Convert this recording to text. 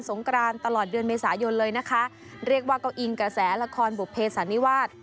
งกรานตลอดเดือนเมษายนเลยนะคะเรียกว่าก็อิงกระแสละครบุภเสันนิวาส